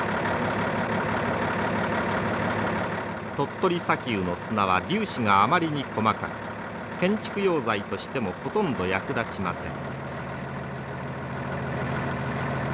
鳥取砂丘の砂は粒子があまりに細かく建築用材としてもほとんど役立ちません。